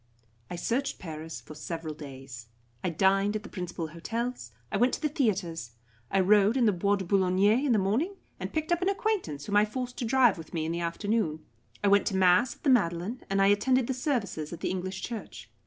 I searched Paris for several days. I dined at the principal hotels; I went to the theatres; I rode in the Bois de Boulogne in the morning, and picked up an acquaintance, whom I forced to drive with me in the afternoon. I went to mass at the Madeleine, and I attended the services at the English Church.